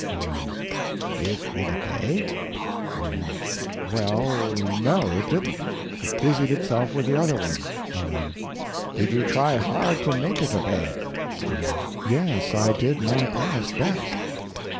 O.M. Did it obey? Y.M. Well, no, it didn't. It busied itself with the other one. O.M. Did you try hard to make it obey? Y.M. Yes, I did my honest best.